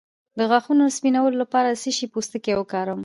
د غاښونو سپینولو لپاره د څه شي پوستکی وکاروم؟